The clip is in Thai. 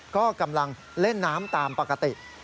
ก็กำลังเล่นน้ำตามปกติ